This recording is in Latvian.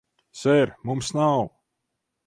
Ser, mums nav...